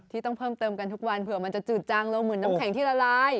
ต้องเพิ่มเติมกันทุกวันเผื่อมันจะจืดจางลงเหมือนน้ำแข็งที่ละลาย